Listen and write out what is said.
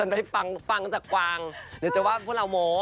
ไม่เชื่อ